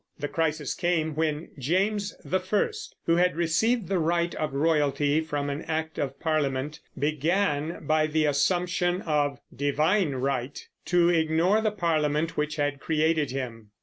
The crisis came when James I, who had received the right of royalty from an act of Parliament, began, by the assumption of "divine right," to ignore the Parliament which had created him.